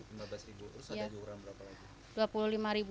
kalau yang jerigen yang ukuran dua puluh liter enam belas ribu